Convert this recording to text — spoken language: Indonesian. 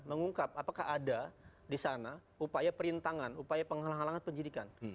mengungkap apakah ada di sana upaya perintangan upaya penghalang halangan penyidikan